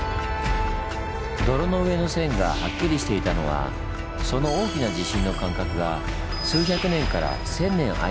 泥の上の線がはっきりしていたのはその大きな地震の間隔が数百年から千年空いていたから。